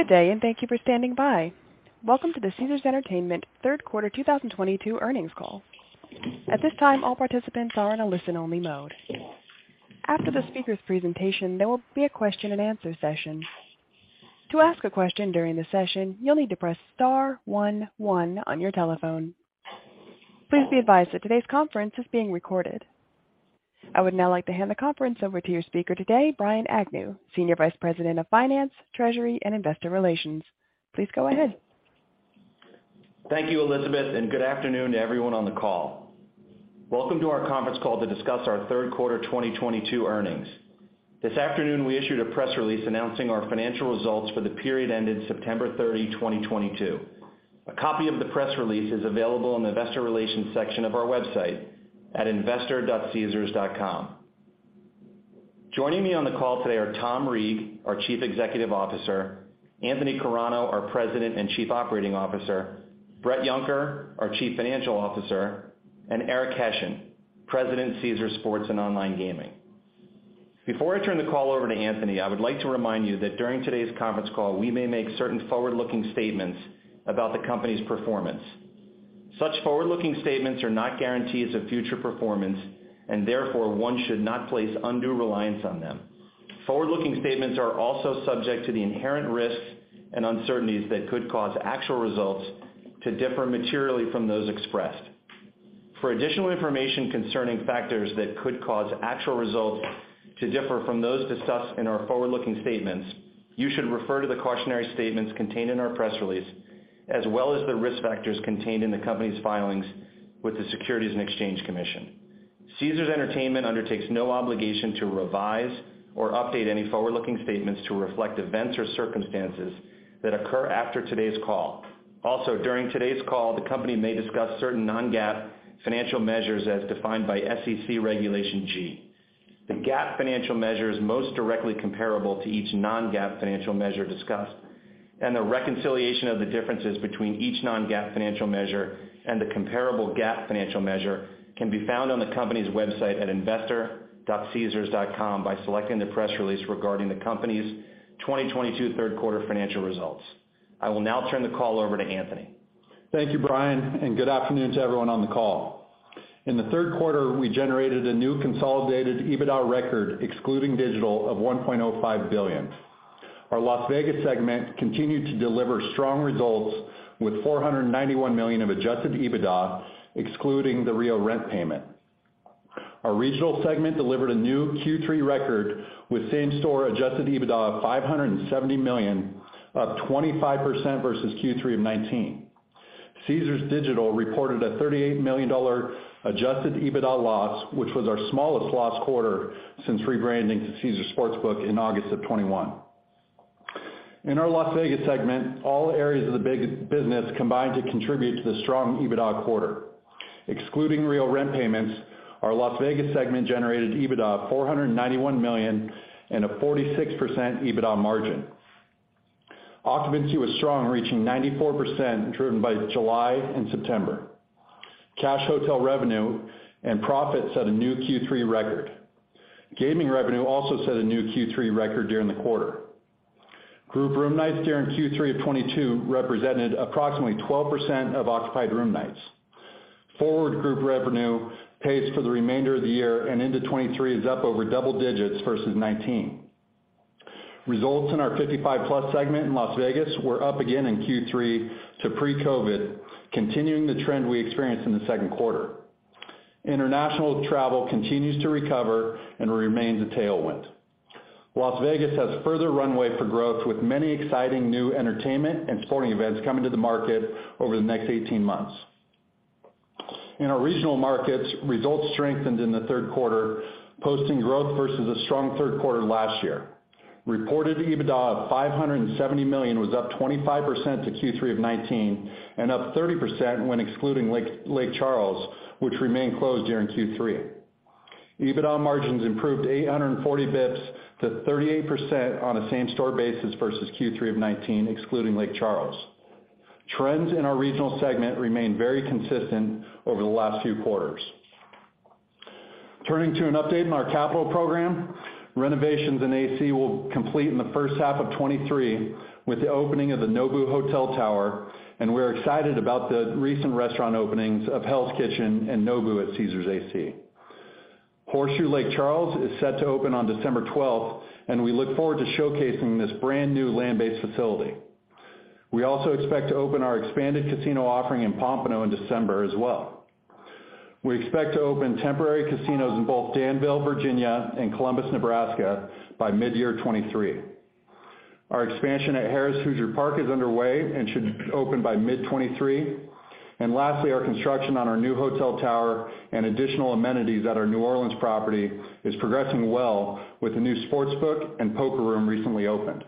Good day, and thank you for standing by. Welcome to the Caesars Entertainment third quarter 2022 earnings call. At this time, all participants are in a listen-only mode. After the speaker's presentation, there will be a question-and-answer session. To ask a question during the session, you'll need to press star one one on your telephone. Please be advised that today's conference is being recorded. I would now like to hand the conference over to your speaker today, Brian Agnew, Senior Vice President of Finance, Treasury, and Investor Relations. Please go ahead. Thank you, Elizabeth, and good afternoon to everyone on the call. Welcome to our conference call to discuss our third quarter 2022 earnings. This afternoon, we issued a press release announcing our financial results for the period ended September 30, 2022. A copy of the press release is available in the investor relations section of our website at investor.caesars.com. Joining me on the call today are Tom Reeg, our Chief Executive Officer, Anthony Carano, our President and Chief Operating Officer, Bret Yunker, our Chief Financial Officer, and Eric Hession, President, Caesars Sports and Online Gaming. Before I turn the call over to Anthony, I would like to remind you that during today's conference call, we may make certain forward-looking statements about the company's performance. Such forward-looking statements are not guarantees of future performance, and therefore one should not place undue reliance on them. Forward-looking statements are also subject to the inherent risks and uncertainties that could cause actual results to differ materially from those expressed. For additional information concerning factors that could cause actual results to differ from those discussed in our forward-looking statements, you should refer to the cautionary statements contained in our press release, as well as the risk factors contained in the company's filings with the Securities and Exchange Commission. Caesars Entertainment undertakes no obligation to revise or update any forward-looking statements to reflect events or circumstances that occur after today's call. Also, during today's call, the company may discuss certain non-GAAP financial measures as defined by SEC Regulation G. The GAAP financial measures most directly comparable to each non-GAAP financial measure discussed and the reconciliation of the differences between each non-GAAP financial measure and the comparable GAAP financial measure can be found on the company's website at investor.caesars.com by selecting the press release regarding the company's 2022 third quarter financial results. I will now turn the call over to Anthony. Thank you, Brian, and good afternoon to everyone on the call. In the third quarter, we generated a new consolidated EBITDA record excluding digital of $1.05 billion. Our Las Vegas segment continued to deliver strong results with $491 million of adjusted EBITDA, excluding the Rio rent payment. Our regional segment delivered a new Q3 record with same-store adjusted EBITDA of $570 million, up 25% versus Q3 of 2019. Caesars Digital reported a $38 million adjusted EBITDA loss, which was our smallest loss quarter since rebranding to Caesars Sportsbook in August of 2021. In our Las Vegas segment, all areas of the big business combined to contribute to the strong EBITDA quarter. Excluding Rio rent payments, our Las Vegas segment generated EBITDA of $491 million and a 46% EBITDA margin. Occupancy was strong, reaching 94%, driven by July and September. Cash hotel revenue and profit set a new Q3 record. Gaming revenue also set a new Q3 record during the quarter. Group room nights during Q3 of 2022 represented approximately 12% of occupied room nights. Forward group revenue pace for the remainder of the year and into 2023 is up over double digits versus 2019. Results in our 55+ segment in Las Vegas were up again in Q3 to pre-COVID, continuing the trend we experienced in the second quarter. International travel continues to recover and remains a tailwind. Las Vegas has further runway for growth with many exciting new entertainment and sporting events coming to the market over the next 18 months. In our regional markets, results strengthened in the third quarter, posting growth versus a strong third quarter last year. Reported EBITDA of $570 million was up 25% to Q3 of 2019 and up 30% when excluding Lake Charles, which remained closed during Q3. EBITDA margins improved 840 basis points to 38% on a same-store basis versus Q3 of 2019, excluding Lake Charles. Trends in our regional segment remain very consistent over the last few quarters. Turning to an update on our capital program, renovations in AC will complete in the first half of 2023 with the opening of the Nobu Hotel Tower, and we're excited about the recent restaurant openings of Hell's Kitchen and Nobu at Caesars AC. Horseshoe Lake Charles is set to open on December 12, and we look forward to showcasing this brand-new land-based facility. We also expect to open our expanded casino offering in Pompano in December as well. We expect to open temporary casinos in both Danville, Virginia, and Columbus, Nebraska, by mid-2023. Our expansion at Harrah's Hoosier Park is underway and should open by mid-2023. Lastly, our construction on our new hotel tower and additional amenities at our New Orleans property is progressing well with the new sportsbook and poker room recently opened.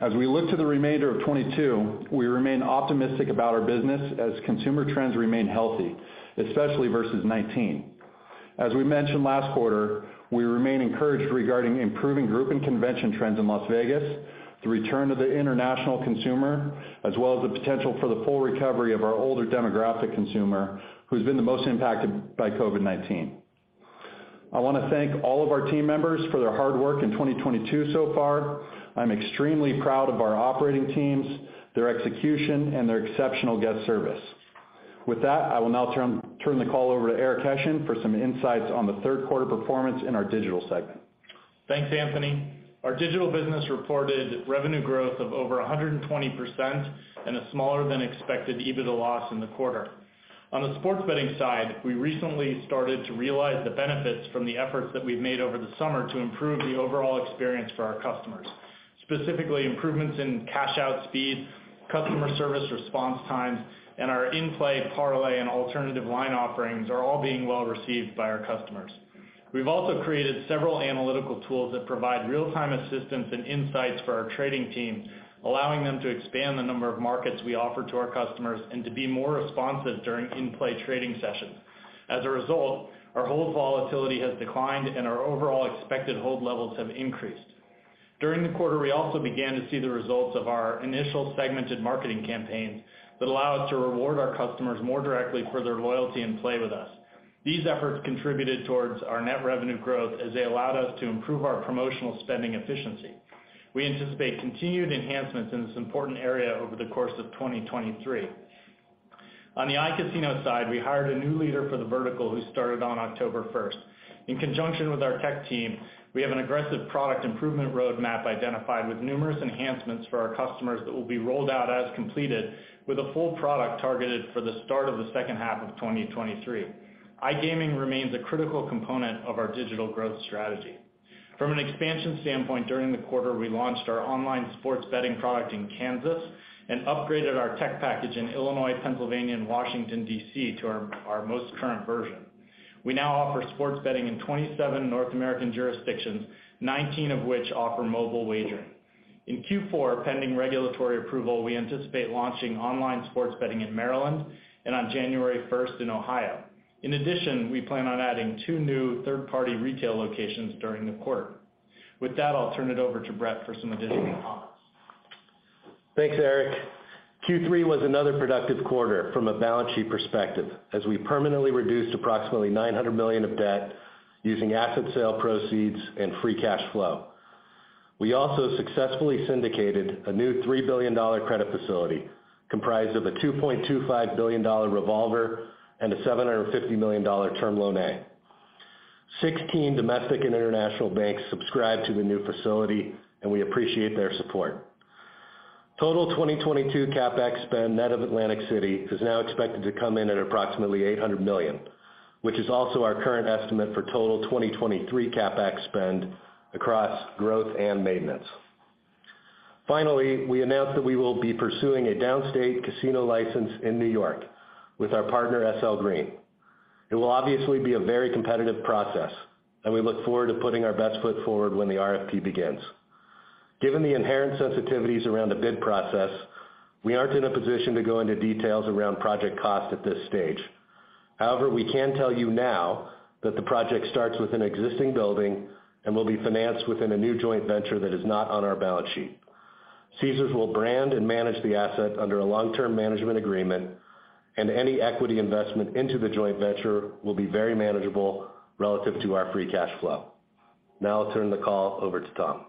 As we look to the remainder of 2022, we remain optimistic about our business as consumer trends remain healthy, especially versus 2019. As we mentioned last quarter, we remain encouraged regarding improving group and convention trends in Las Vegas, the return of the international consumer, as well as the potential for the full recovery of our older demographic consumer who's been the most impacted by COVID-19. I want to thank all of our team members for their hard work in 2022 so far. I'm extremely proud of our operating teams, their execution, and their exceptional guest service. With that, I will now turn the call over to Eric Hession for some insights on the third quarter performance in our digital segment. Thanks, Anthony. Our digital business reported revenue growth of over 120% and a smaller-than-expected EBITDA loss in the quarter. On the sports betting side, we recently started to realize the benefits from the efforts that we've made over the summer to improve the overall experience for our customers. Specifically, improvements in cash-out speed, customer service response times, and our in-play parlay and alternative line offerings are all being well received by our customers. We've also created several analytical tools that provide real-time assistance and insights for our trading team, allowing them to expand the number of markets we offer to our customers and to be more responsive during in-play trading sessions. As a result, our hold volatility has declined and our overall expected hold levels have increased. During the quarter, we also began to see the results of our initial segmented marketing campaigns that allow us to reward our customers more directly for their loyalty and play with us. These efforts contributed towards our net revenue growth as they allowed us to improve our promotional spending efficiency. We anticipate continued enhancements in this important area over the course of 2023. On the iCasino side, we hired a new leader for the vertical who started on October first. In conjunction with our tech team, we have an aggressive product improvement roadmap identified with numerous enhancements for our customers that will be rolled out as completed with a full product targeted for the start of the second half of 2023. iGaming remains a critical component of our digital growth strategy. From an expansion standpoint, during the quarter, we launched our online sports betting product in Kansas and upgraded our tech package in Illinois, Pennsylvania, and Washington, D.C. to our most current version. We now offer sports betting in 27 North American jurisdictions, 19 of which offer mobile wagering. In Q4, pending regulatory approval, we anticipate launching online sports betting in Maryland and on January first in Ohio. In addition, we plan on adding two new third-party retail locations during the quarter. With that, I'll turn it over to Bret for some additional comments. Thanks, Eric. Q3 was another productive quarter from a balance sheet perspective, as we permanently reduced approximately $900 million of debt using asset sale proceeds and free cash flow. We also successfully syndicated a new $3 billion credit facility comprised of a $2.25 billion revolver and a $750 million term loan A. 16 domestic and international banks subscribed to the new facility, and we appreciate their support. Total 2022 CapEx spend net of Atlantic City is now expected to come in at approximately $800 million, which is also our current estimate for total 2023 CapEx spend across growth and maintenance. Finally, we announced that we will be pursuing a downstate casino license in New York with our partner, SL Green. It will obviously be a very competitive process, and we look forward to putting our best foot forward when the RFP begins. Given the inherent sensitivities around the bid process, we aren't in a position to go into details around project cost at this stage. However, we can tell you now that the project starts with an existing building and will be financed within a new joint venture that is not on our balance sheet. Caesars will brand and manage the asset under a long-term management agreement, and any equity investment into the joint venture will be very manageable relative to our free cash flow. Now I'll turn the call over to Tom.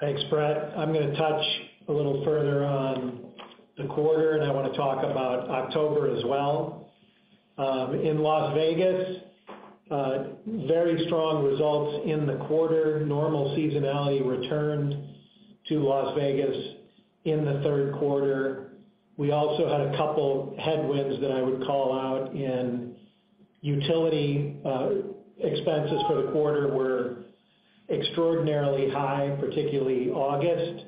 Thanks, Bret. I'm going to touch a little further on the quarter, and I want to talk about October as well. In Las Vegas, very strong results in the quarter. Normal seasonality returned to Las Vegas in the third quarter. We also had a couple headwinds that I would call out. Utility expenses for the quarter were extraordinarily high, particularly August.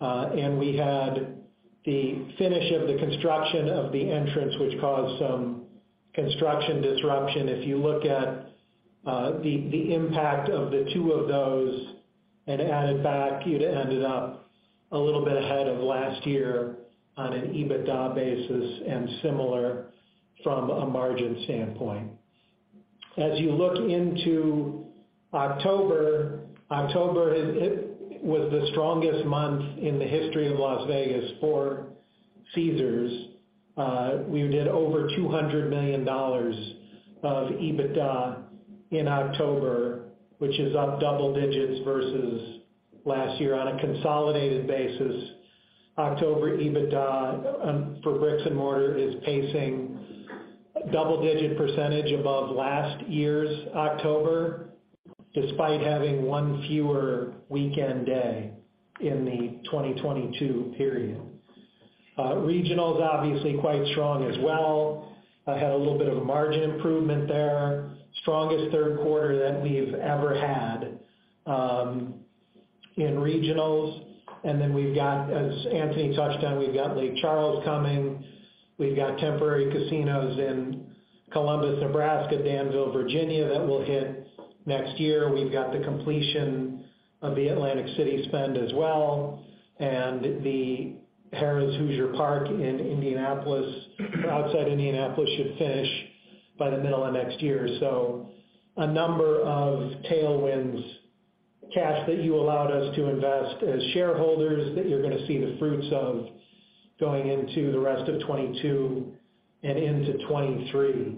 We had the finish of the construction of the entrance, which caused some construction disruption. If you look at the impact of the two of those and added back, you'd have ended up a little bit ahead of last year on an EBITDA basis and similar from a margin standpoint. As you look into October, it was the strongest month in the history of Las Vegas for Caesars. We did over $200 million of EBITDA in October, which is up double digits versus last year. On a consolidated basis, October EBITDA for brick and mortar is pacing double-digit percentage above last year's October, despite having one fewer weekend day in the 2022 period. Regional is obviously quite strong as well. Had a little bit of a margin improvement there. Strongest third quarter that we've ever had in regionals. We've got, as Anthony touched on, Lake Charles coming. We've got temporary casinos in Columbus, Nebraska, Danville, Virginia, that will hit next year. We've got the completion of the Atlantic City spend as well, and the Harrah's Hoosier Park outside Indianapolis should finish by the middle of next year. A number of tailwinds. Cash that you allowed us to invest as shareholders that you're gonna see the fruits of going into the rest of 2022 and into 2023.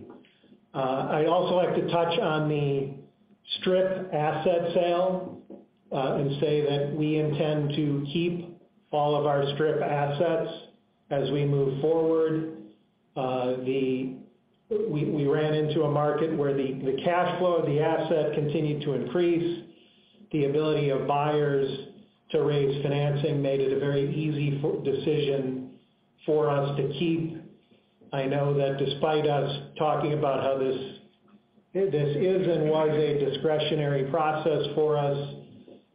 I also like to touch on the Strip asset sale, and say that we intend to keep all of our Strip assets as we move forward. We ran into a market where the cash flow of the asset continued to increase. The ability of buyers to raise financing made it a very easy decision for us to keep. I know that despite us talking about how this is and was a discretionary process for us,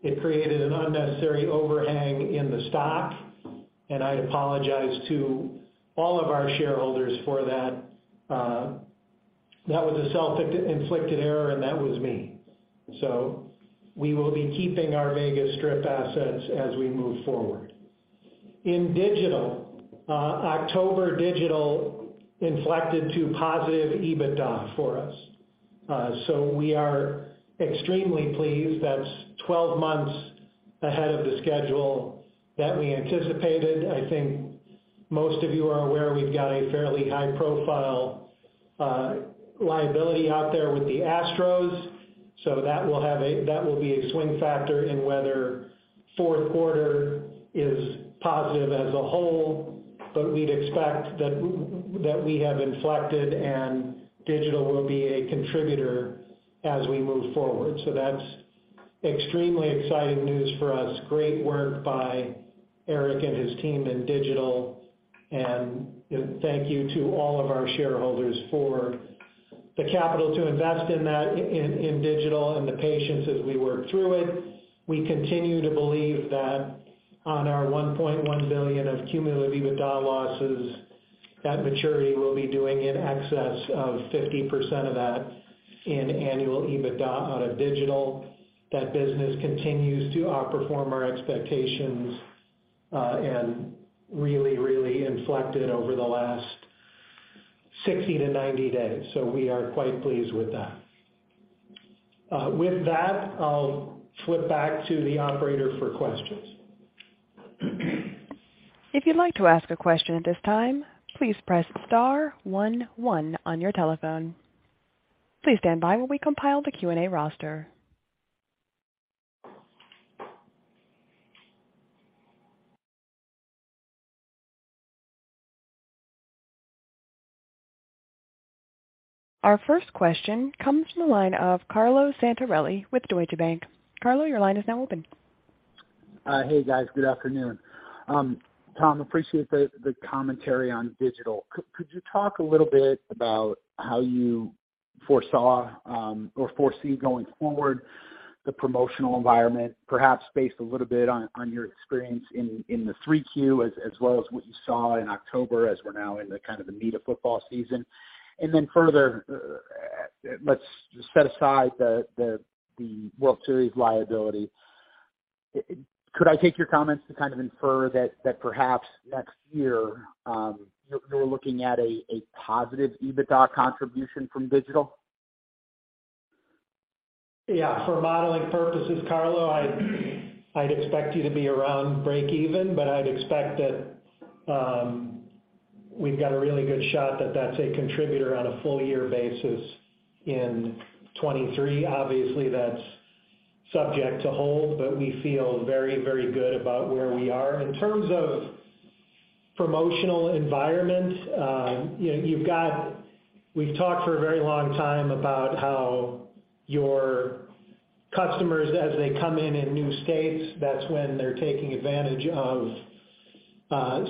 it created an unnecessary overhang in the stock, and I apologize to all of our shareholders for that. That was a self-inflicted error, and that was me. We will be keeping our Vegas Strip assets as we move forward. In digital, October digital inflected to positive EBITDA for us. We are extremely pleased. That's 12 months ahead of the schedule that we anticipated. I think most of you are aware we've got a fairly high profile liability out there with the Astros, so that will be a swing factor in whether fourth quarter is positive as a whole. We'd expect that we have inflected and digital will be a contributor as we move forward. That's extremely exciting news for us. Great work by Eric and his team in digital. Thank you to all of our shareholders for the capital to invest in that, in digital, and the patience as we work through it. We continue to believe that on our $1.1 billion of cumulative EBITDA losses, that metric will be doing in excess of 50% of that in annual EBITDA out of digital. That business continues to outperform our expectations, and really, really inflected over the last 60-90 days. We are quite pleased with that. With that, I'll flip back to the operator for questions. If you'd like to ask a question at this time, please press star one one on your telephone. Please stand by while we compile the Q&A roster. Our first question comes from the line of Carlo Santarelli with Deutsche Bank. Carlo, your line is now open. Hey, guys. Good afternoon. Tom, appreciate the commentary on digital. Could you talk a little bit about how you foresaw or foresee going forward the promotional environment, perhaps based a little bit on your experience in the three Qs as well as what you saw in October as we're now in the meat of football season? Further, let's set aside the World Series liability. Could I take your comments to kind of infer that perhaps next year, you're looking at a positive EBITDA contribution from digital? Yeah. For modeling purposes, Carlo, I'd expect you to be around break even, but I'd expect that we've got a really good shot that that's a contributor on a full year basis in 2023. Obviously, that's subject to hold, but we feel very, very good about where we are. In terms of promotional environment, we've talked for a very long time about how your customers as they come in in new states, that's when they're taking advantage of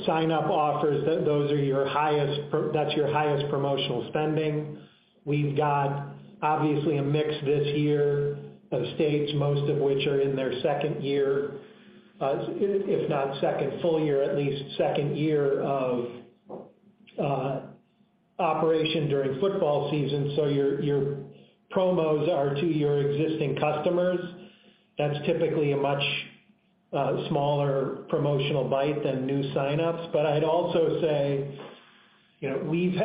sign-up offers, that's your highest promotional spending. We've got obviously a mix this year of states, most of which are in their second year, if not second full year, at least second year of operation during football season. Your promos are to your existing customers. That's typically a much smaller promotional bite than new signups. I'd also say, you know, we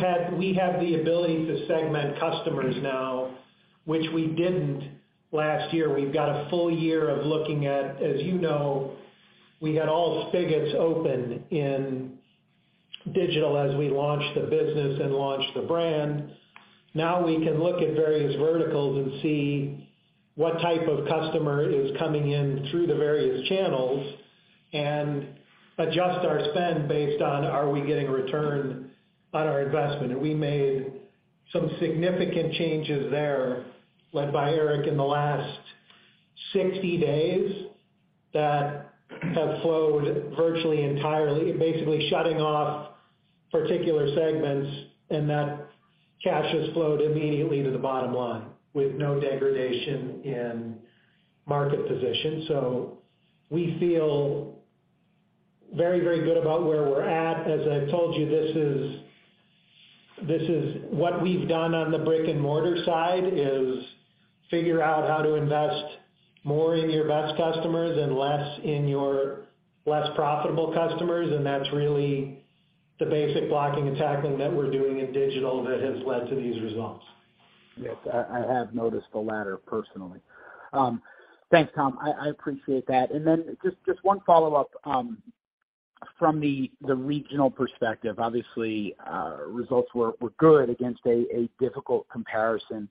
have the ability to segment customers now, which we didn't last year. We've got a full year of looking at. As you know, we had all spigots open in digital as we launched the business and launched the brand. Now we can look at various verticals and see what type of customer is coming in through the various channels and adjust our spend based on are we getting return on our investment. We made some significant changes there, led by Eric in the last 60 days, that have flowed virtually entirely. Basically shutting off particular segments, and that cash has flowed immediately to the bottom line with no degradation in market position. We feel very, very good about where we're at. As I've told you, this is what we've done on the brick-and-mortar side, is figure out how to invest more in your best customers and less in your less profitable customers, and that's really the basic blocking and tackling that we're doing in digital that has led to these results. Yes, I have noticed the latter personally. Thanks, Tom. I appreciate that. One follow-up from the regional perspective. Obviously, results were good against a difficult comparison.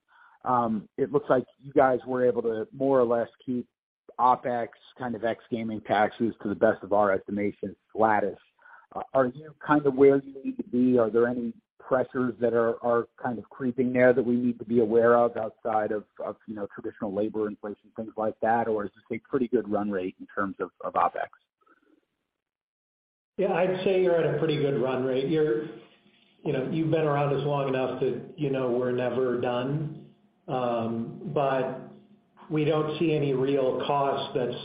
It looks like you guys were able to more or less keep OpEx kind of ex gaming taxes to the best of our estimation, flat. Are you kind of where you need to be? Are there any pressures that are kind of creeping there that we need to be aware of outside of you know, traditional labor inflation, things like that, or is this a pretty good run rate in terms of OpEx? Yeah, I'd say you're at a pretty good run rate. You're, you know, you've been around us long enough that you know we're never done. But we don't see any real cost that's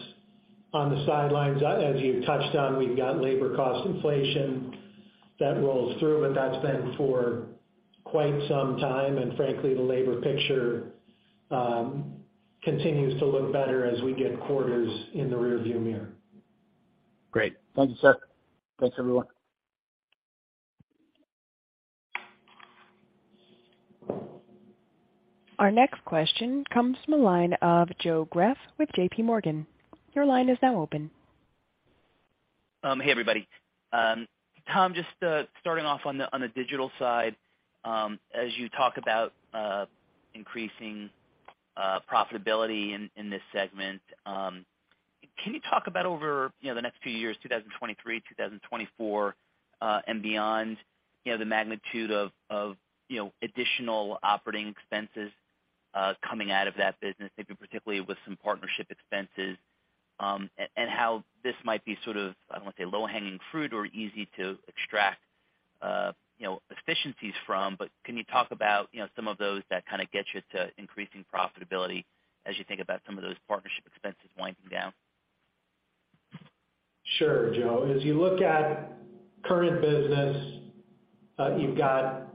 on the sidelines. As you touched on, we've got labor cost inflation that rolls through, but that's been for quite some time. Frankly, the labor picture continues to look better as we get quarters in the rearview mirror. Great. Thank you, sir. Thanks, everyone. Our next question comes from the line of Joseph Greff with J.P. Morgan. Your line is now open. Hey, everybody. Tom, just starting off on the digital side. As you talk about increasing profitability in this segment, can you talk about over, you know, the next few years, 2023, 2024, and beyond, you know, the magnitude of additional operating expenses coming out of that business, maybe particularly with some partnership expenses, and how this might be sort of, I don't want to say low hanging fruit or easy to extract, you know, efficiencies from, but can you talk about, you know, some of those that kind of get you to increasing profitability as you think about some of those partnership expenses winding down? Sure, Joe. As you look at current business, you've got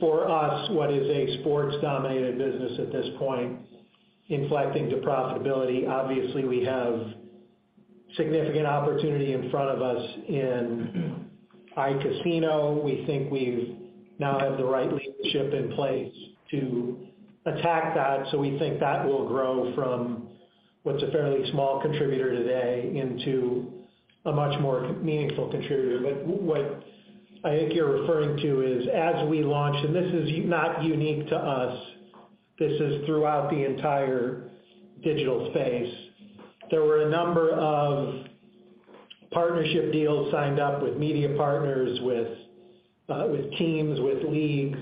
for us what is a sports dominated business at this point, inflecting to profitability. Obviously, we have significant opportunity in front of us in iCasino. We think we now have the right leadership in place to attack that. So we think that will grow from what's a fairly small contributor today into a much more meaningful contributor. But what I think you're referring to is as we launch, and this is not unique to us, this is throughout the entire digital space. There were a number of partnership deals signed up with media partners, with teams, with leagues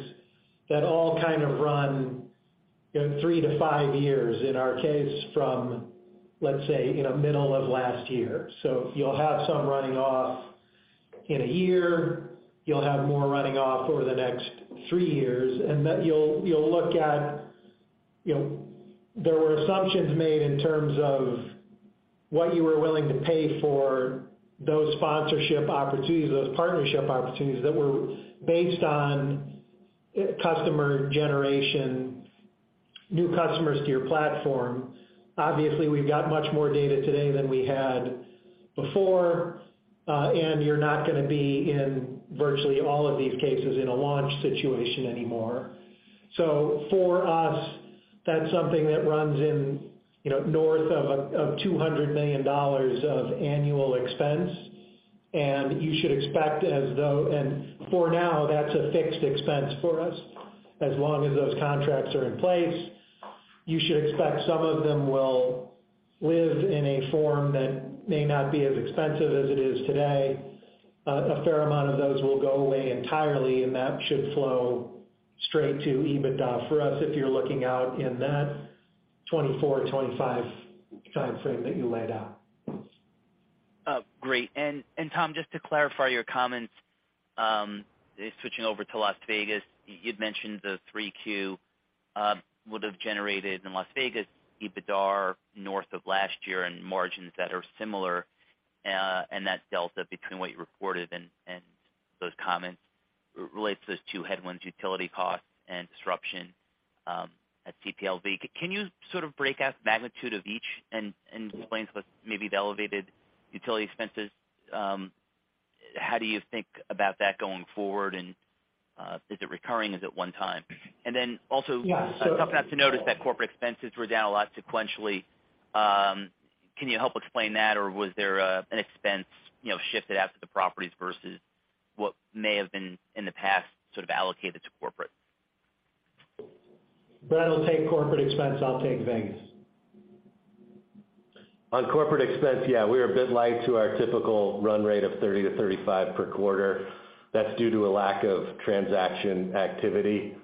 that all kind of run in three to five years, in our case from, let's say, you know, middle of last year. You'll have some running off in a year, you'll have more running off over the next three years, and then you'll look at, you know, there were assumptions made in terms of what you were willing to pay for those sponsorship opportunities, those partnership opportunities that were based on customer generation, new customers to your platform. Obviously, we've got much more data today than we had before, and you're not gonna be in virtually all of these cases in a launch situation anymore. For us, that's something that runs in, you know, north of $200 million of annual expense. For now, that's a fixed expense for us as long as those contracts are in place. You should expect some of them will live in a form that may not be as expensive as it is today. A fair amount of those will go away entirely, and that should flow straight to EBITDA for us if you're looking out in that 2024-2025 timeframe that you laid out. Great. Tom, just to clarify your comments, switching over to Las Vegas, you'd mentioned the 3Q would have generated in Las Vegas, EBITDAR north of last year and margins that are similar. That delta between what you reported and those comments relates to those two headwinds, utility costs and disruption at TPLV. Can you sort of break out the magnitude of each and explain to us what maybe the elevated utility expenses, how do you think about that going forward? Is it recurring? Is it one time? And then also. Yeah. Tough not to notice that corporate expenses were down a lot sequentially. Can you help explain that, or was there an expense, you know, shifted out to the properties versus what may have been in the past sort of allocated to corporate? Bret Yunker will take corporate expense. I'll take Vegas. On corporate expense, yeah, we're a bit light to our typical run rate of $30-$35 per quarter. That's due to a lack of transaction activity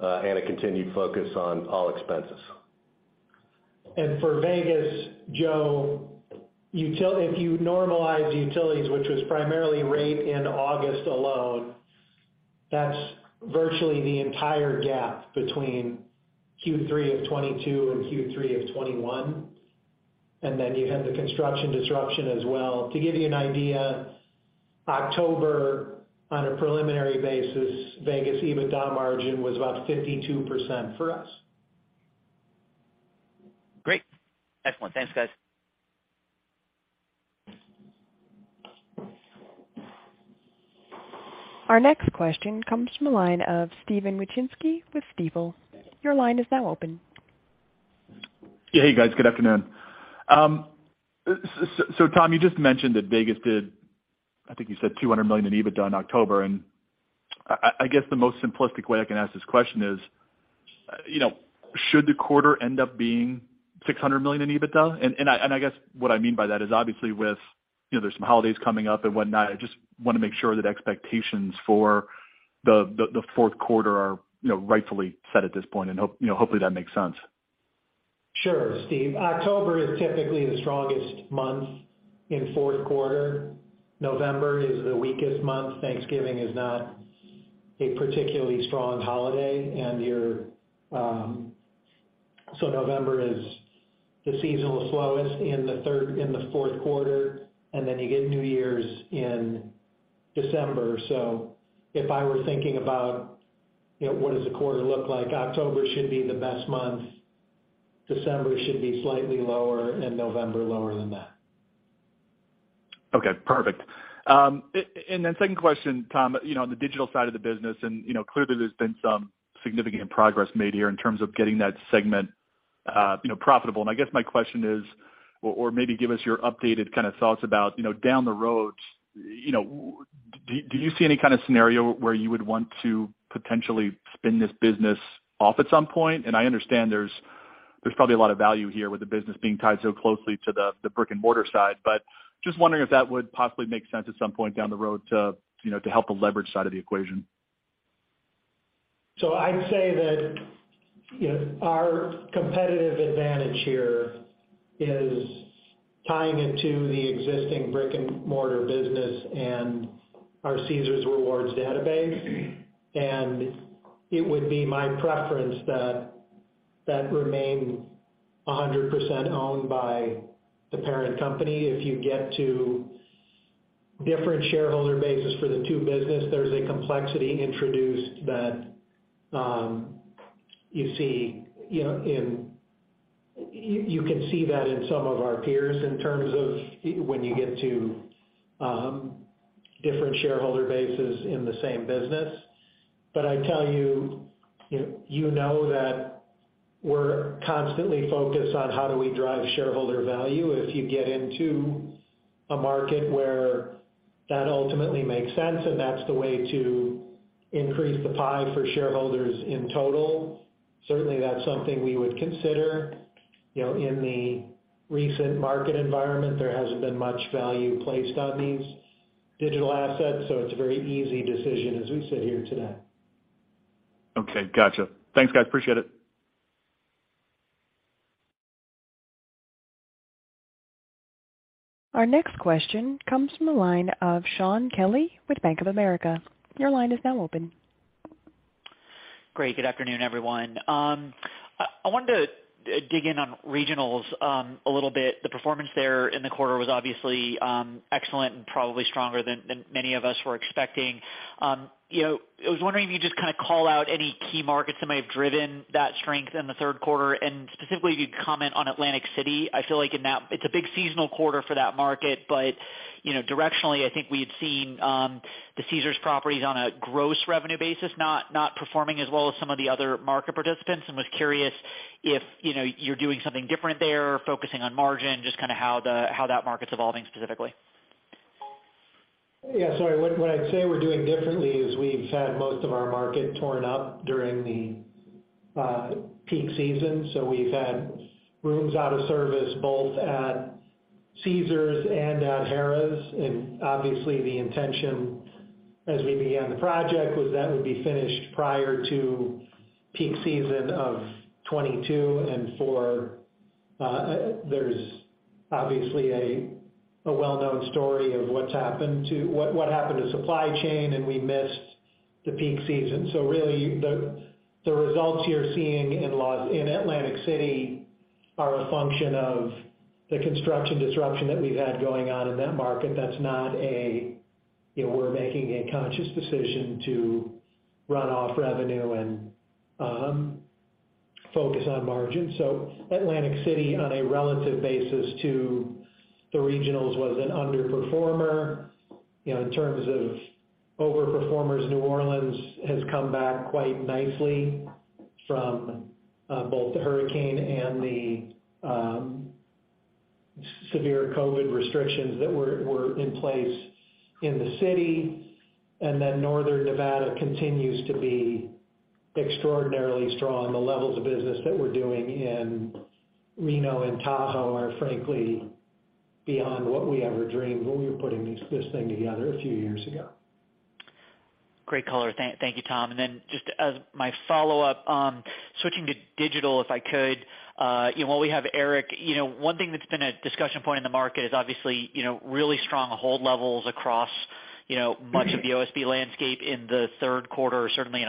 and a continued focus on all expenses. For Vegas, Joe, if you normalize utilities, which was primarily rate in August alone, that's virtually the entire gap between Q3 of 2022 and Q3 of 2021. Then you have the construction disruption as well. To give you an idea, October, on a preliminary basis, Vegas EBITDA margin was about 52% for us. Great. Excellent. Thanks, guys. Our next question comes from the line of Steven Wieczynski with Stifel. Your line is now open. Yeah, hey, guys, good afternoon. So Tom, you just mentioned that Vegas did, I think you said $200 million in EBITDA in October. I guess the most simplistic way I can ask this question is, you know, should the quarter end up being $600 million in EBITDA? I guess what I mean by that is obviously with, you know, there's some holidays coming up and whatnot, I just wanna make sure that expectations for the fourth quarter are, you know, rightfully set at this point. You know, hopefully, that makes sense. Sure, Steve. October is typically the strongest month in fourth quarter. November is the weakest month. Thanksgiving is not a particularly strong holiday, and you're. November is the seasonal slowest in the fourth quarter, and then you get New Year's in December. If I were thinking about, you know, what does the quarter look like, October should be the best month, December should be slightly lower, and November lower than that. Okay, perfect. Second question, Tom, you know, on the digital side of the business and, you know, clearly there's been some significant progress made here in terms of getting that segment, you know, profitable. I guess my question is or maybe give us your updated kind of thoughts about, you know, down the road, you know, you see any kind of scenario where you would want to potentially spin this business off at some point? I understand there's probably a lot of value here with the business being tied so closely to the brick-and-mortar side. Just wondering if that would possibly make sense at some point down the road to, you know, to help the leverage side of the equation. I'd say that, you know, our competitive advantage here is tying into the existing brick-and-mortar business and our Caesars Rewards database. It would be my preference that that remain 100% owned by the parent company. If you get to different shareholder bases for the two business, there's a complexity introduced that you see, you know, in some of our peers in terms of when you get to different shareholder bases in the same business. I tell you know that we're constantly focused on how do we drive shareholder value. If you get into a market where that ultimately makes sense and that's the way to increase the pie for shareholders in total, certainly that's something we would consider. You know, in the recent market environment, there hasn't been much value placed on these digital assets, so it's a very easy decision as we sit here today. Okay. Gotcha. Thanks, guys. Appreciate it. Our next question comes from the line of Shaun Kelley with Bank of America. Your line is now open. Great. Good afternoon, everyone. I wanted to dig in on regionals a little bit. The performance there in the quarter was obviously excellent and probably stronger than many of us were expecting. You know, I was wondering if you just kind of call out any key markets that might have driven that strength in the third quarter, and specifically if you could comment on Atlantic City. I feel like in that it's a big seasonal quarter for that market. You know, directionally, I think we had seen the Caesars properties on a gross revenue basis not performing as well as some of the other market participants. I was curious if you know, you're doing something different there, focusing on margin, just kind of how that market's evolving specifically. What I'd say we're doing differently is we've had most of our market torn up during the peak season. We've had rooms out of service both at Caesars and at Harrah's. Obviously the intention as we began the project was that would be finished prior to peak season of 2022. There's obviously a well-known story of what happened to supply chain, and we missed the peak season. Really the results you're seeing in Atlantic City are a function of the construction disruption that we've had going on in that market. That's not a, you know, we're making a conscious decision to run off revenue and focus on margin. Atlantic City, on a relative basis to the regionals, was an underperformer. You know, in terms of overperformers, New Orleans has come back quite nicely from both the hurricane and the severe COVID restrictions that were in place in the city. Northern Nevada continues to be extraordinarily strong. The levels of business that we're doing in Reno and Tahoe are, frankly, beyond what we ever dreamed when we were putting this thing together a few years ago. Great color. Thank you, Tom. Then just as my follow-up, switching to digital if I could, you know, while we have Eric, you know, one thing that's been a discussion point in the market is obviously, you know, really strong hold levels across, you know, much of the OSB landscape in the third quarter or certainly in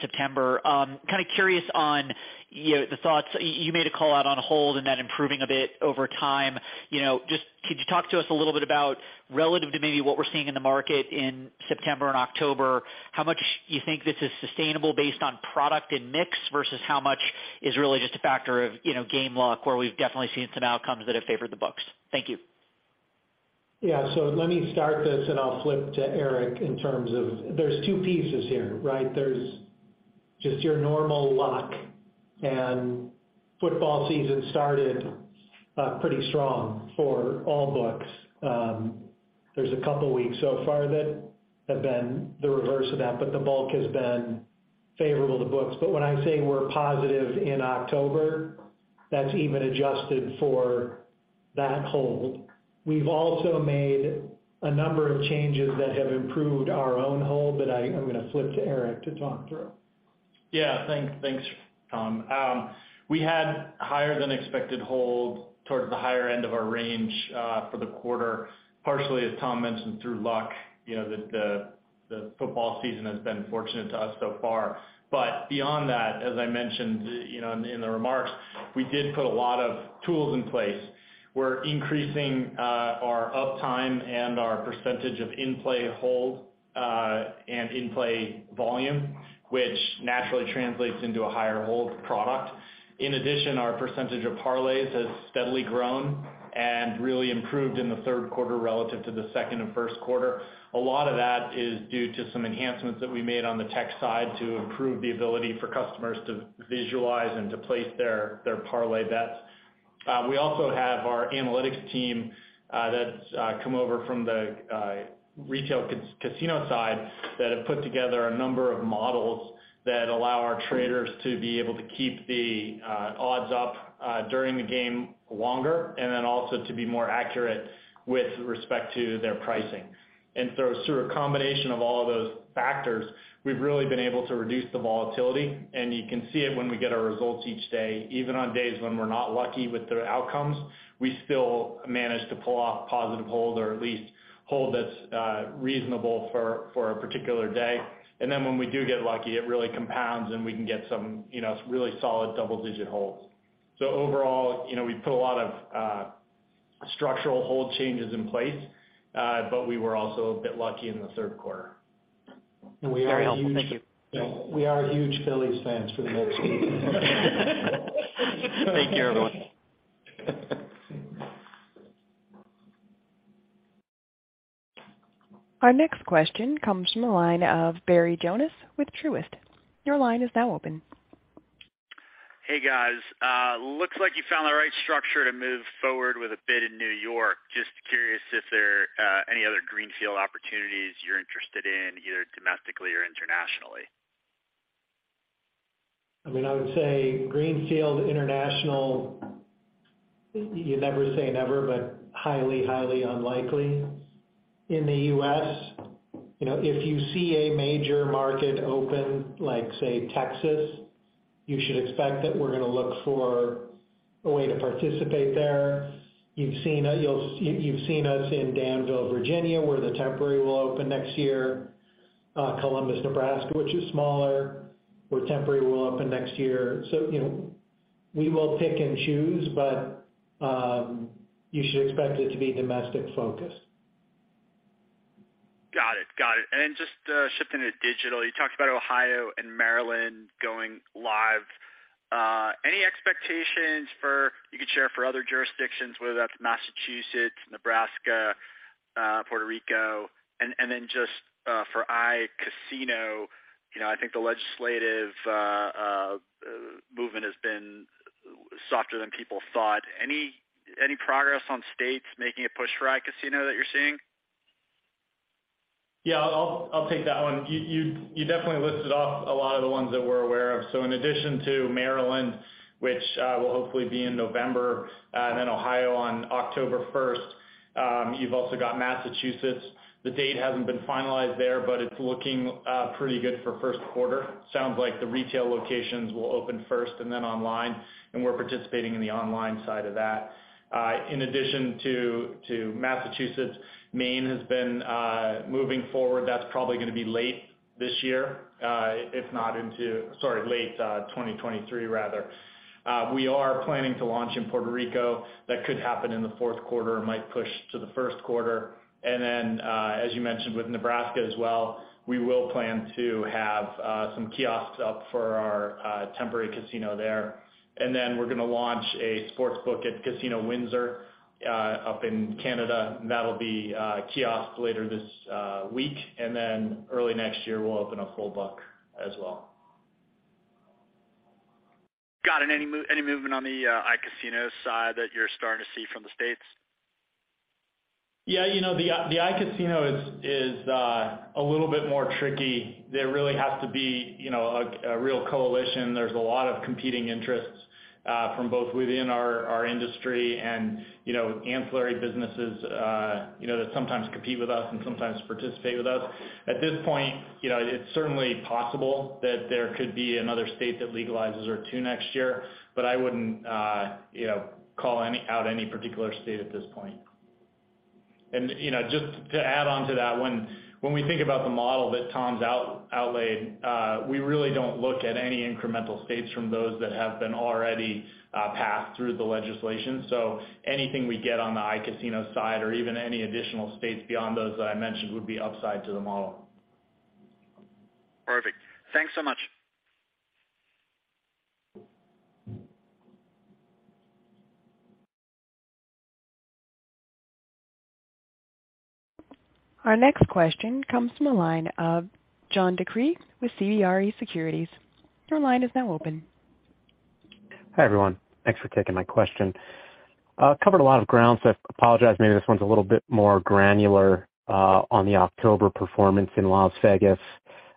September. Kind of curious on, you know, the thoughts. You made a call out on hold and that improving a bit over time. You know, just could you talk to us a little bit about relative to maybe what we're seeing in the market in September and October, how much you think this is sustainable based on product and mix versus how much is really just a factor of, you know, game luck, where we've definitely seen some outcomes that have favored the books? Thank you. Yeah. Let me start this and I'll flip to Eric in terms of. There's two pieces here, right? There's just your normal luck, and football season started pretty strong for all books. There's a couple weeks so far that have been the reverse of that, but the bulk has been favorable to books. When I say we're positive in October, that's even adjusted for that hold. We've also made a number of changes that have improved our own hold that I'm gonna flip to Eric to talk through. Yeah. Thanks, Tom. We had higher than expected hold towards the higher end of our range for the quarter, partially, as Tom mentioned, through luck. You know, the football season has been fortunate to us so far. Beyond that, as I mentioned, you know, in the remarks, we did put a lot of tools in place. We're increasing our uptime and our percentage of in-play hold and in-play volume, which naturally translates into a higher hold product. In addition, our percentage of parlays has steadily grown and really improved in the third quarter relative to the second and first quarter. A lot of that is due to some enhancements that we made on the tech side to improve the ability for customers to visualize and to place their parlay bets. We also have our analytics team that's come over from the retail casino side that have put together a number of models that allow our traders to be able to keep the odds up during the game longer, and then also to be more accurate with respect to their pricing. Through a combination of all of those factors, we've really been able to reduce the volatility, and you can see it when we get our results each day. Even on days when we're not lucky with the outcomes, we still manage to pull off positive hold or at least hold that's reasonable for a particular day. Then when we do get lucky, it really compounds, and we can get some, you know, really solid double-digit holds. Overall, you know, we put a lot of structural hold changes in place, but we were also a bit lucky in the third quarter. We are a huge. Very helpful. Thank you. We are huge Phillies fans for the next game. Thank you, everyone. Our next question comes from the line of Barry Jonas with Truist. Your line is now open. Hey, guys. Looks like you found the right structure to move forward with a bid in New York. Just curious if there are any other greenfield opportunities you're interested in, either domestically or internationally. I mean, I would say greenfield international, you never say never, but highly unlikely. In the U.S., you know, if you see a major market open like, say, Texas, you should expect that we're gonna look for a way to participate there. You've seen us in Danville, Virginia, where the temporary will open next year. Columbus, Nebraska, which is smaller, where temporary will open next year. You know, we will pick and choose, but you should expect it to be domestic-focused. Got it. Just shifting to digital, you talked about Ohio and Maryland going live. Any expectations you could share for other jurisdictions, whether that's Massachusetts, Nebraska, Puerto Rico? Just for iCasino, you know, I think the legislative movement has been softer than people thought. Any progress on states making a push for iCasino that you're seeing? Yeah. I'll take that one. You definitely listed off a lot of the ones that we're aware of. In addition to Maryland, which will hopefully be in November, and then Ohio on October first, you've also got Massachusetts. The date hasn't been finalized there, but it's looking pretty good for first quarter. Sounds like the retail locations will open first and then online, and we're participating in the online side of that. In addition to Massachusetts, Maine has been moving forward. That's probably gonna be late 2023 rather. We are planning to launch in Puerto Rico. That could happen in the fourth quarter, it might push to the first quarter. As you mentioned with Nebraska as well, we will plan to have some kiosks up for our temporary casino there. We're gonna launch a sports book at Caesars Windsor up in Canada. That'll be kiosk later this week. Early next year, we'll open a full book as well. Got it. Any movement on the iCasino side that you're starting to see from the States? Yeah. You know, the iCasino is a little bit more tricky. There really has to be, you know, a real coalition. There's a lot of competing interests from both within our industry and, you know, ancillary businesses, you know, that sometimes compete with us and sometimes participate with us. At this point, you know, it's certainly possible that there could be another state that legalizes or two next year, but I wouldn't, you know, call out any particular state at this point. You know, just to add on to that, when we think about the model that Tom's outlined, we really don't look at any incremental states from those that have been already passed through the legislation. Anything we get on the iCasino side or even any additional states beyond those that I mentioned would be upside to the model. Perfect. Thanks so much. Our next question comes from the line of John DeCree with CBRE Securities. Your line is now open. Hi, everyone. Thanks for taking my question. Covered a lot of ground, so I apologize. Maybe this one's a little bit more granular on the October performance in Las Vegas.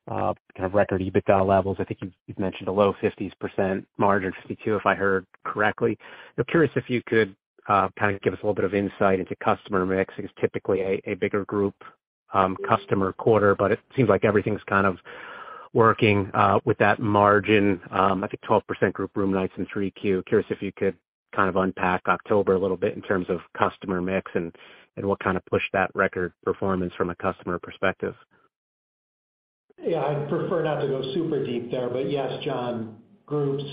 Kind of record EBITDA levels. I think you've mentioned the low 50s% margin, 52%, if I heard correctly. I'm curious if you could kind of give us a little bit of insight into customer mix. It's typically a bigger group customer quarter, but it seems like everything's kind of working with that margin. I think 12% group room nights in 3Q. Curious if you could kind of unpack October a little bit in terms of customer mix and what kind of pushed that record performance from a customer perspective. Yeah, I'd prefer not to go super deep there, but yes, John, groups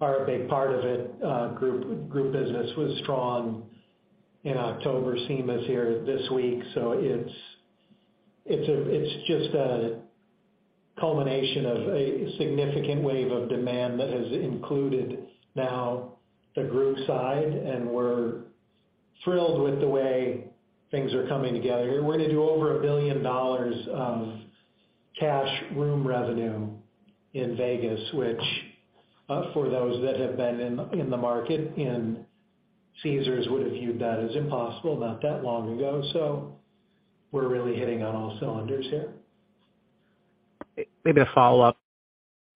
are a big part of it. Group business was strong in October. SEMA's here this week, so it's just a culmination of a significant wave of demand that has included now the group side, and we're thrilled with the way things are coming together. We're gonna do over $1 billion of cash room revenue in Vegas, which, for those that have been in the market in Caesars would have viewed that as impossible not that long ago. We're really hitting on all cylinders here. Maybe a follow-up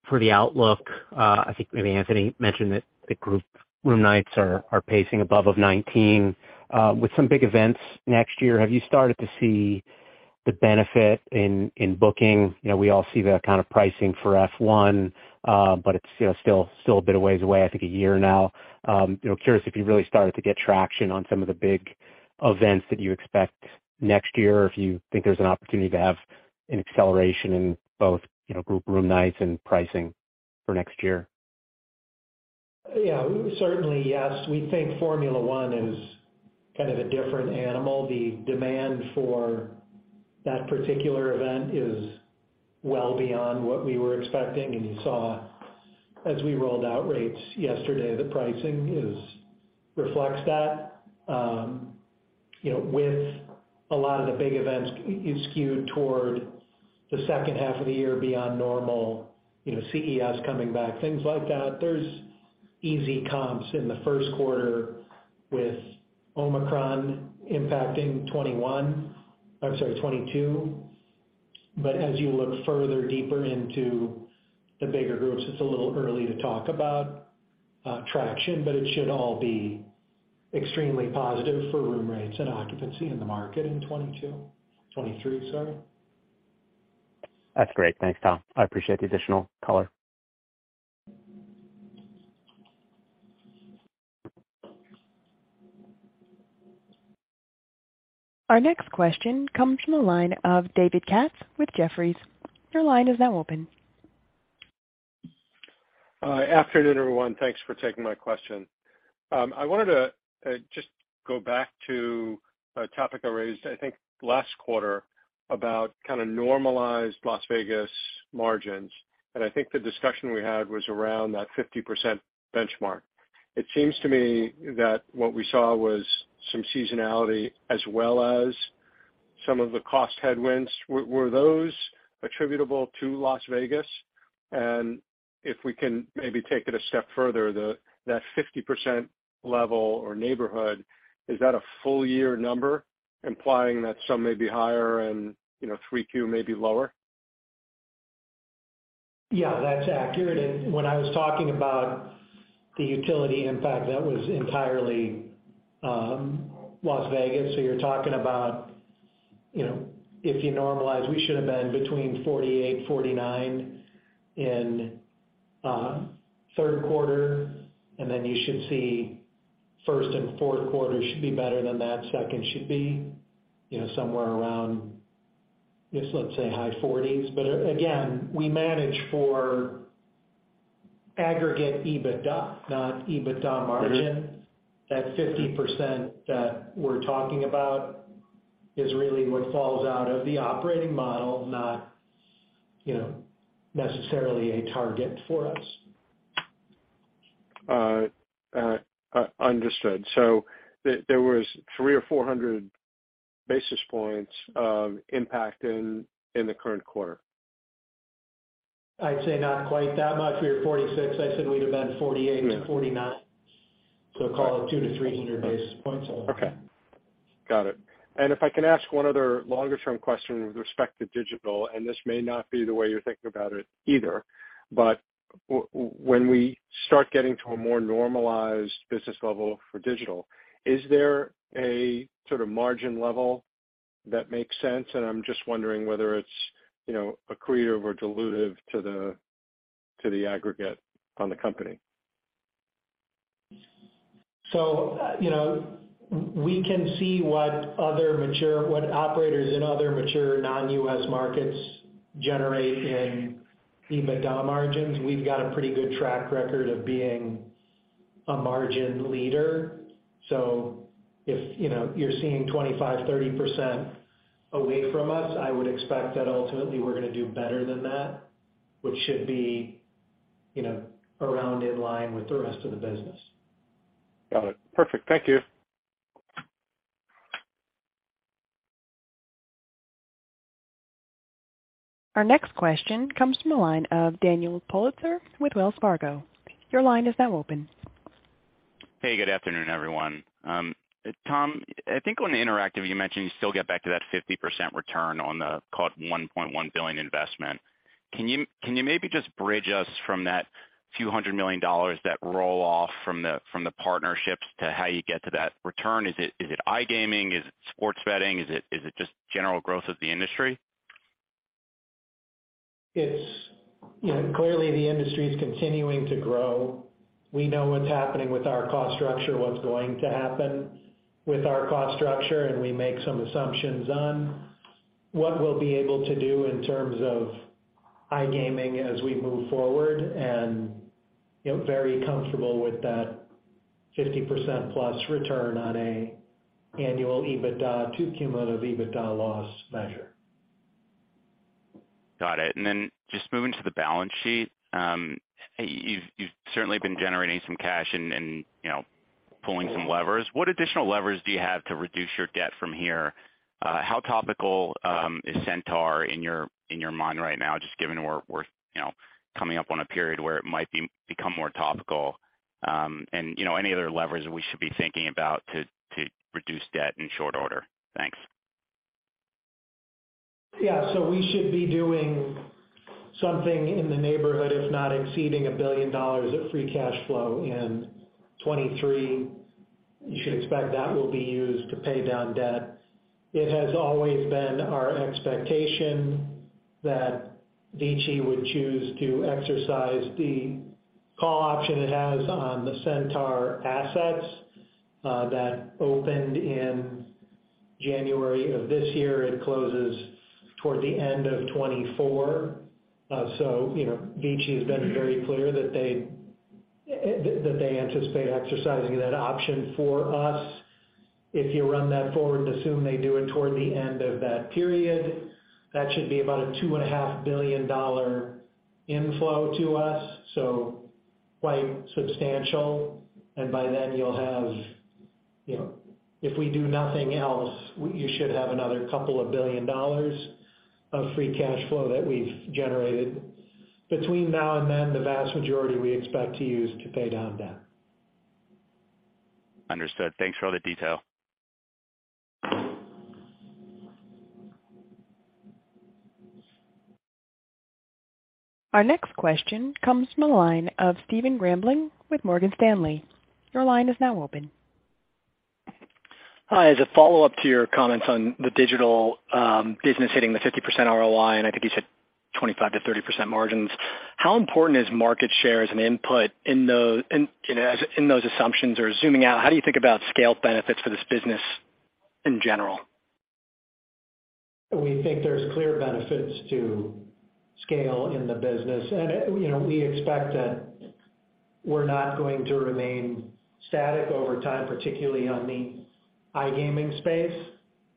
for the outlook. I think maybe Anthony mentioned that the group room nights are pacing above 2019. With some big events next year, have you started to see the benefit in booking? You know, we all see the kind of pricing for F1, but it's, you know, still a bit of ways away, I think a year now. You know, curious if you really started to get traction on some of the big events that you expect next year or if you think there's an opportunity to have an acceleration in both, you know, group room nights and pricing for next year. Yeah. Certainly, yes. We think Formula One is kind of a different animal. The demand for that particular event is well beyond what we were expecting. You saw as we rolled out rates yesterday, the pricing reflects that. You know, with a lot of the big events skewed toward the second half of the year beyond normal, you know, CES coming back, things like that. There's easy comps in the first quarter with Omicron impacting 2022. As you look further deeper into the bigger groups, it's a little early to talk about traction, but it should all be extremely positive for room rates and occupancy in the market in 2023. That's great. Thanks, Tom. I appreciate the additional color. Our next question comes from the line of David Katz with Jefferies. Your line is now open. Afternoon, everyone. Thanks for taking my question. I wanted to just go back to a topic I raised, I think, last quarter about kind of normalized Las Vegas margins. I think the discussion we had was around that 50% benchmark. It seems to me that what we saw was some seasonality as well as some of the cost headwinds. Were those attributable to Las Vegas? If we can maybe take it a step further, that 50% level or neighborhood, is that a full year number implying that some may be higher and, you know, 3Q may be lower? Yeah, that's accurate. When I was talking about the utility impact, that was entirely Las Vegas. You're talking about, you know, if you normalize, we should have been between 48%-49% in third quarter, and then you should see first and fourth quarter should be better than that. Second should be, you know, somewhere around, just let's say high 40s%. Again, we manage for aggregate EBITDA, not EBITDA margin. That 50% that we're talking about is really what falls out of the operating model, not, you know, necessarily a target for us. Understood. There was 300 or 400 basis points of impact in the current quarter. I'd say not quite that much. We were 46. I said we'd have been 48-49. Call it 200-300 basis points. Okay. Got it. If I can ask one other longer-term question with respect to digital, and this may not be the way you're thinking about it either, but when we start getting to a more normalized business level for digital, is there a sort of margin level that makes sense? I'm just wondering whether it's, you know, accretive or dilutive to the aggregate on the company. You know, we can see what other mature operators in other mature non-U.S. markets generate in EBITDA margins. We've got a pretty good track record of being a margin leader. If, you know, you're seeing 25%-30% away from us, I would expect that ultimately we're gonna do better than that, which should be, you know, around in line with the rest of the business. Got it. Perfect. Thank you. Our next question comes from the line of Daniel Politzer with Wells Fargo. Your line is now open. Hey, good afternoon, everyone. Tom, I think on the interactive, you mentioned you still get back to that 50% return on the, call it, $1.1 billion investment. Can you maybe just bridge us from that few hundred million dollars that roll off from the partnerships to how you get to that return? Is it iGaming? Is it sports betting? Is it just general growth of the industry? You know, clearly the industry is continuing to grow. We know what's happening with our cost structure, what's going to happen with our cost structure, and we make some assumptions on what we'll be able to do in terms of iGaming as we move forward and, you know, very comfortable with that 50% plus return on a annual EBITDA to cumulative EBITDA loss measure. Got it. Just moving to the balance sheet. You've certainly been generating some cash and you know, pulling some levers. What additional levers do you have to reduce your debt from here? How topical is Centaur in your mind right now, just given we're you know, coming up on a period where it might become more topical, and you know, any other levers we should be thinking about to reduce debt in short order? Thanks. Yeah. We should be doing something in the neighborhood, if not exceeding $1 billion of free cash flow in 2023. You should expect that will be used to pay down debt. It has always been our expectation that Vici would choose to exercise the call option it has on the Centaur assets that opened in January of this year. It closes toward the end of 2024. You know, Vici has been very clear that they that they anticipate exercising that option for us. If you run that forward and assume they do it toward the end of that period, that should be about a $2.5 billion dollar inflow to us, so quite substantial. By then you'll have, you know, if we do nothing else, you should have another couple of billion dollars of free cash flow that we've generated. Between now and then, the vast majority we expect to use to pay down debt. Understood. Thanks for all the detail. Our next question comes from the line of Stephen Grambling with Morgan Stanley. Your line is now open. Hi. As a follow-up to your comments on the digital business hitting the 50% ROI, and I think you said 25%-30% margins, how important is market share as an input in those assumptions? Or zooming out, how do you think about scale benefits for this business in general? We think there's clear benefits to scale in the business. You know, we expect that we're not going to remain static over time, particularly on the iGaming space.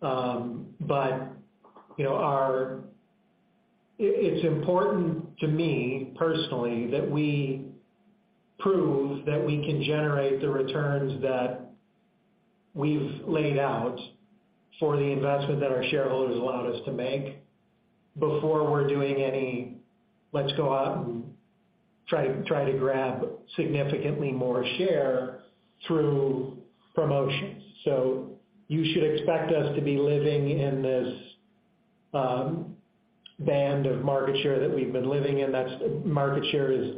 But, you know, it's important to me personally, that we prove that we can generate the returns that we've laid out for the investment that our shareholders allowed us to make before we're doing any, "Let's go out and try to grab significantly more share through promotions." You should expect us to be living in this band of market share that we've been living in. That's. Market share is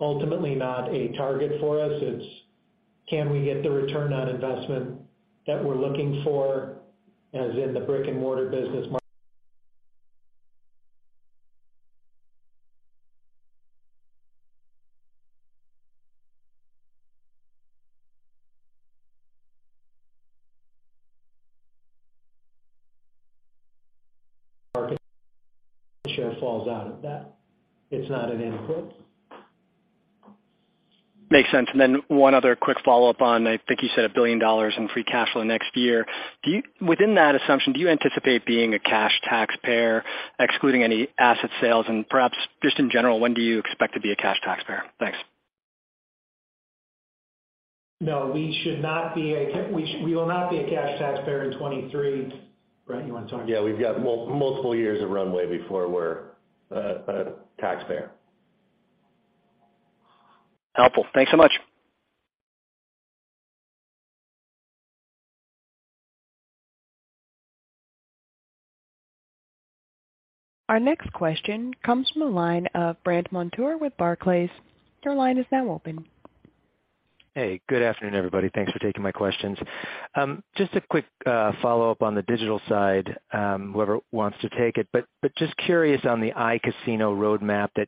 ultimately not a target for us. It's, can we get the return on investment that we're looking for, as in the brick-and-mortar business. Market share falls out of that. It's not an input. Makes sense. One other quick follow-up on, I think you said $1 billion in free cash flow next year. Within that assumption, do you anticipate being a cash taxpayer, excluding any asset sales? Perhaps just in general, when do you expect to be a cash taxpayer? Thanks. No, we will not be a cash taxpayer in 2023. Bret, you wanna talk? Yeah. We've got multiple years of runway before we're a taxpayer. Helpful. Thanks so much. Our next question comes from the line of Brandt Montour with Barclays. Your line is now open. Hey, good afternoon, everybody. Thanks for taking my questions. Just a quick follow-up on the digital side, whoever wants to take it. Just curious on the iCasino roadmap that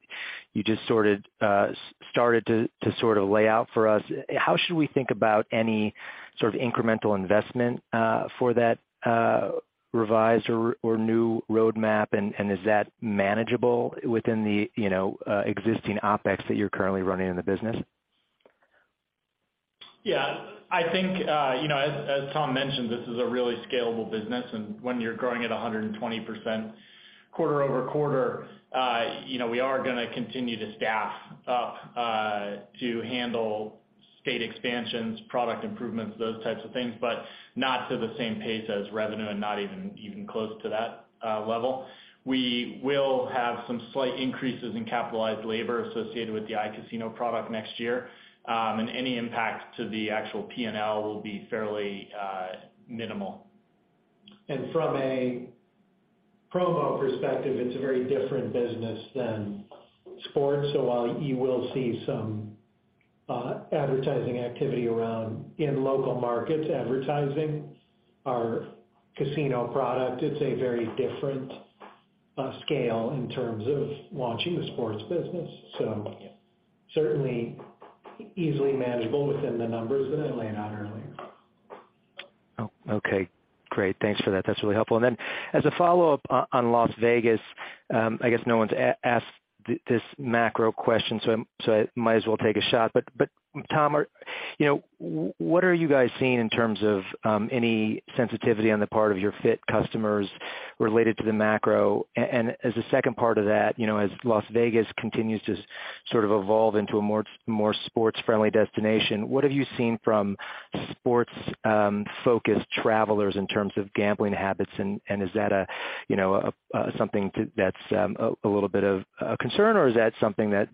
you just sort of started to sort of lay out for us, how should we think about any sort of incremental investment for that revised or new roadmap? Is that manageable within the, you know, existing OpEx that you're currently running in the business? Yeah, I think, you know, as Tom mentioned, this is a really scalable business. When you're growing at 120% quarter-over-quarter, you know, we are gonna continue to staff up to handle state expansions, product improvements, those types of things, but not to the same pace as revenue and not even close to that level. We will have some slight increases in capitalized labor associated with the iCasino product next year. Any impact to the actual PNL will be fairly minimal. From a promo perspective, it's a very different business than sports. While you will see some advertising activity around in local markets advertising our casino product, it's a very different scale in terms of launching the sports business. Certainly easily manageable within the numbers that I laid out earlier. Oh, okay. Great. Thanks for that. That's really helpful. Then as a follow-up on Las Vegas, I guess no one's asked this macro question, so I might as well take a shot. Tom, you know, what are you guys seeing in terms of any sensitivity on the part of your FIT customers related to the macro? As a second part of that, you know, as Las Vegas continues to sort of evolve into a more sports-friendly destination, what have you seen from sports focused travelers in terms of gambling habits? Is that something that's a little bit of a concern, or is that something that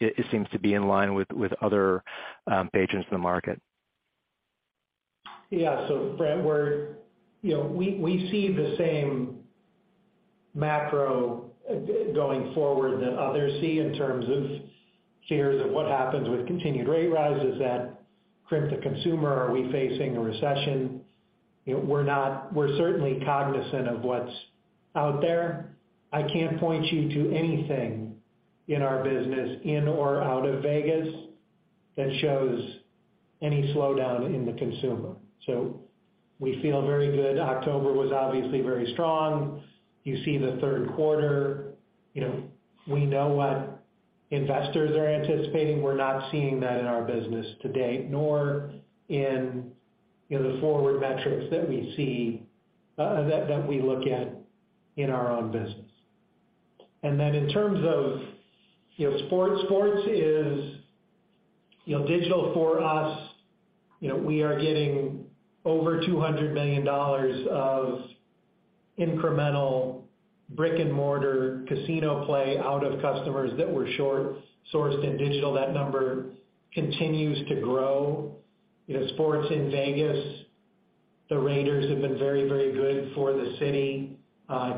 it seems to be in line with other patrons in the market? Yeah. Bret, we're. You know, we see the same macro going forward that others see in terms of fears of what happens with continued rate rises that crimp the consumer. Are we facing a recession? You know, we're not. We're certainly cognizant of what's out there. I can't point you to anything in our business in or out of Vegas that shows any slowdown in the consumer. We feel very good. October was obviously very strong. You see the third quarter. You know, we know what investors are anticipating. We're not seeing that in our business to date, nor in, you know, the forward metrics that we see, that we look at in our own business. In terms of, you know, sports is, you know, digital for us. You know, we are getting over $200 million of incremental brick-and-mortar casino play out of customers that were sourced in digital. That number continues to grow. You know, sports in Vegas, the Raiders have been very, very good for the city,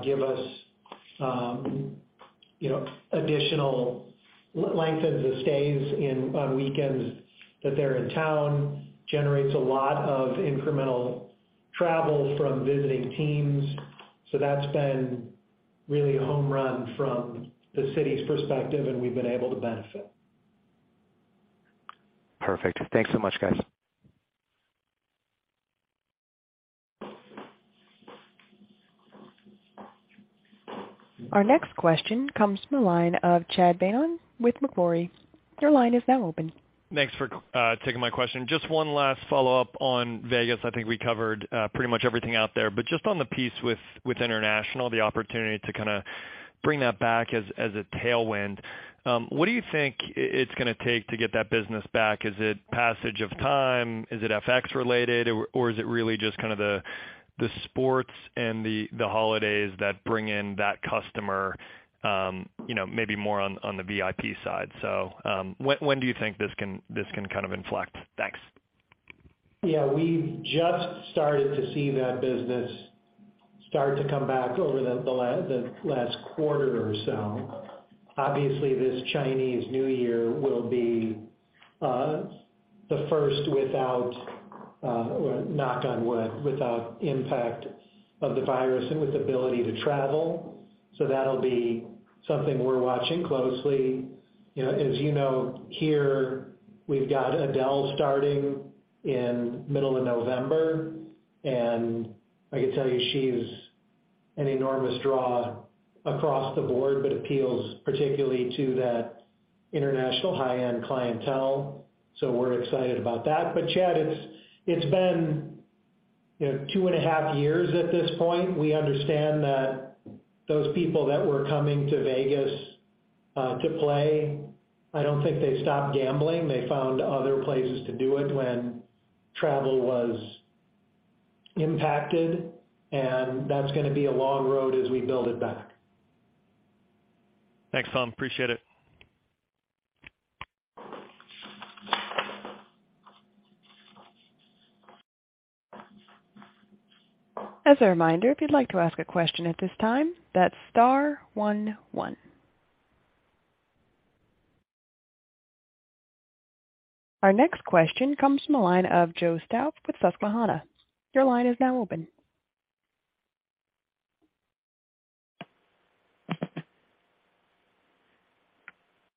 give us, you know, additional length of the stays on weekends that they're in town, generates a lot of incremental travel from visiting teams. That's been really a home run from the city's perspective, and we've been able to benefit. Perfect. Thanks so much, guys. Our next question comes from the line of Chad Beynon with Macquarie. Your line is now open. Thanks for taking my question. Just one last follow-up on Vegas. I think we covered pretty much everything out there. Just on the piece with international, the opportunity to kind of bring that back as a tailwind, what do you think it's gonna take to get that business back? Is it passage of time? Is it FX related? Or is it really just kind of the sports and the holidays that bring in that customer, you know, maybe more on the VIP side? When do you think this can kind of inflect? Thanks. Yeah. We just started to see that business start to come back over the last quarter or so. Obviously, this Chinese New Year will be the first without, knock on wood, without impact of the virus and with ability to travel. That'll be something we're watching closely. You know, as you know, here we've got Adele starting in middle of November, and I can tell you she's an enormous draw across the board, but appeals particularly to that international high-end clientele. We're excited about that. Chad, it's been, you know, two and a half years at this point. We understand that those people that were coming to Vegas to play, I don't think they stopped gambling. They found other places to do it when travel was impacted, and that's gonna be a long road as we build it back. Thanks, Tom. Appreciate it. As a reminder, if you'd like to ask a question at this time, that's star one one. Our next question comes from the line of Joe Stauff with Susquehanna. Your line is now open.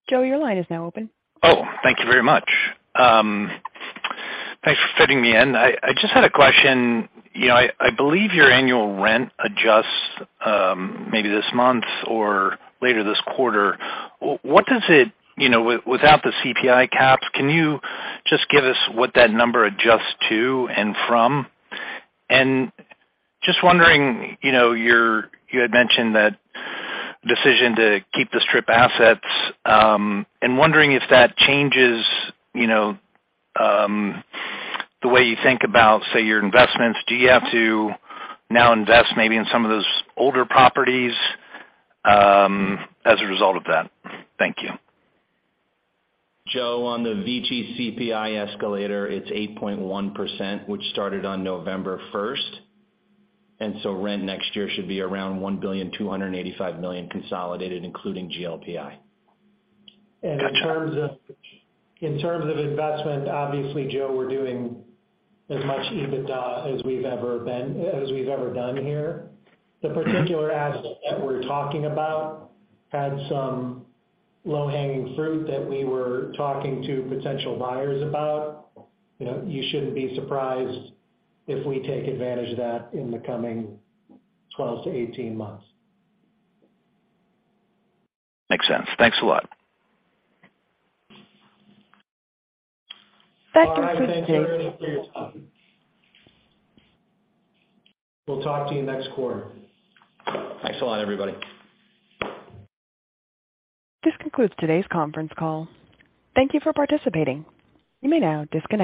Joe, your line is now open. Oh, thank you very much. Thanks for fitting me in. I just had a question. You know, I believe your annual rent adjusts, maybe this month or later this quarter. What does it, you know, without the CPI caps, can you just give us what that number adjusts to and from? Just wondering, you know, you had mentioned that decision to keep the Strip assets, and wondering if that changes, you know, the way you think about, say, your investments. Do you have to now invest maybe in some of those older properties, as a result of that? Thank you. Joe, on the VICI CPI escalator, it's 8.1%, which started on November first. Rent next year should be around $1.285 billion consolidated, including GLPI. Gotcha. In terms of investment, obviously, Joe, we're doing as much EBITDA as we've ever done here. The particular asset that we're talking about had some low-hanging fruit that we were talking to potential buyers about. You know, you shouldn't be surprised if we take advantage of that in the coming 12-18 months. Makes sense. Thanks a lot. That concludes today's. All right. Thank you for your time. We'll talk to you next quarter. Thanks a lot, everybody. This concludes today's conference call. Thank you for participating. You may now disconnect.